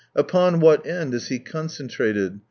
Upon what end is he concentrated